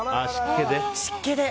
湿気で。